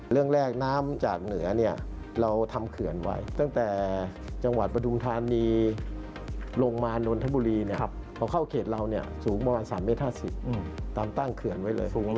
เรื่องแรกน้ำจากเหนือเนี่ยเราทำเขื่อนไว้ตั้งแต่จังหวัดปทุมธานีลงมานนทบุรีเนี่ยพอเข้าเขตเราสูงประมาณ๓เมตร๕๐ตามตั้งเขื่อนไว้เลย